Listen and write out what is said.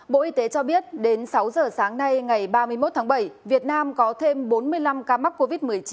bộ y tế cho biết đến sáu giờ sáng nay ngày ba mươi một tháng bảy việt nam có thêm bốn mươi năm ca mắc covid một mươi chín